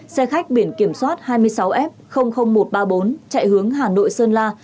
xe khách biển kiểm soát hai mươi sáu f một trăm ba mươi bốn chạy hướng hà nội sơn la